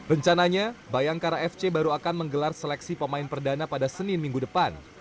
rencananya bayangkara fc baru akan menggelar seleksi pemain perdana pada senin minggu depan